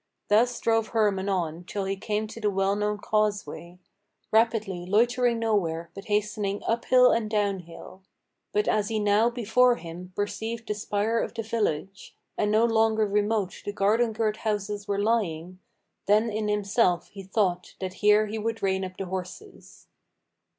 Thus drove Hermann on till he came to the well known causeway. Rapidly, loitering nowhere, but hastening up hill and down hill. But as he now before him perceived the spire of the village, And no longer remote the garden girt houses were lying, Then in himself he thought that here he would rein up the horses.